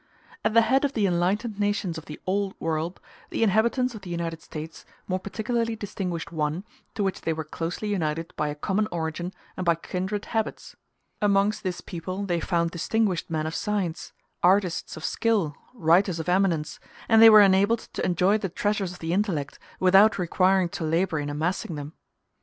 At the head of the enlightened nations of the Old World the inhabitants of the United States more particularly distinguished one, to which they were closely united by a common origin and by kindred habits. Amongst this people they found distinguished men of science, artists of skill, writers of eminence, and they were enabled to enjoy the treasures of the intellect without requiring to labor in amassing them.